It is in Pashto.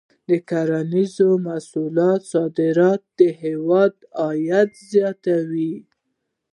د کرنیزو محصولاتو صادرات د هېواد عاید زیاتوي.